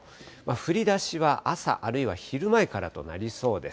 降りだしは朝、あるいは昼前からとなりそうです。